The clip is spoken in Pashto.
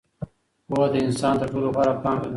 پوهه د انسان تر ټولو غوره پانګه ده.